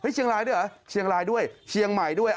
เชียงรายด้วยเหรอเชียงรายด้วยเชียงใหม่ด้วย